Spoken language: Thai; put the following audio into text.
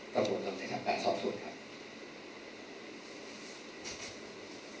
กระบวนเราจะทำการสอบส่วนครับ